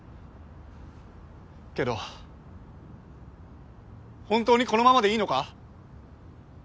けど本当にこのままでいいのか？